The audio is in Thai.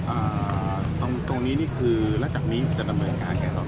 อ่าตรงนี้นี่คือแล้วจากนี้จะทำเนินการไงครับ